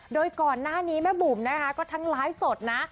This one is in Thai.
โดยก่อนหน้านี้แม่บุ๋มนะคะก็ทั้งไลฟ์สดนะ